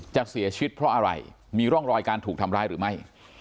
จะเสียชีวิตเพราะอะไรมีร่องรอยการถูกทำร้ายหรือไม่